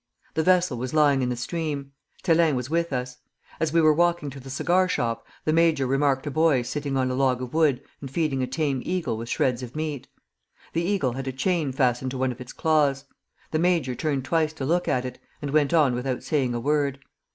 The vessel was lying in the stream. Thélin was with us. As we were walking to the cigar shop, the major remarked a boy sitting on a log of wood and feeding a tame eagle with shreds of meat. The eagle had a chain fastened to one of its claws. The major turned twice to look at it, and went on without saying a word.